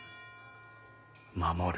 守る。